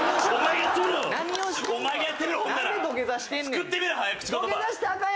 作ってみろ早口言葉！